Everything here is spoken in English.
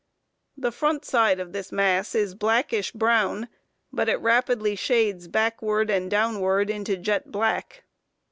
The front side of this mass is blackish brown, but it rapidly shades backward and downward into jet black.